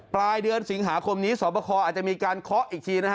ปลายเดือนสิงหาคมนี้สอบประคออาจจะมีการเคาะอีกทีนะฮะ